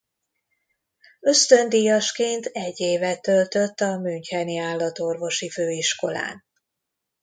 Ösztöndíjasként egy évet töltött a müncheni állatorvosi főiskolán.